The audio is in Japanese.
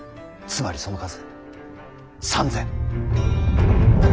つまりその数３，０００。